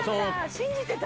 信じてた！